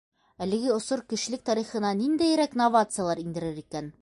Әлеге осор кешелек тарихына ниндәйерәк новациялар индерер икән?